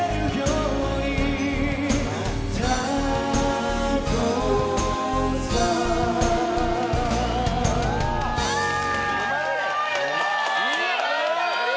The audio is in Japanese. うまい！